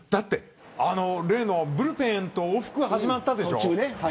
例のブルペンとの往復が始まったでしょ。